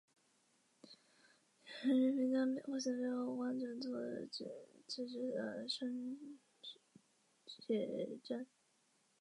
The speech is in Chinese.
产品待办事项列表根据产品和开发环境的变化而演进。